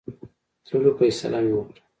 تللو فیصله مې وکړه.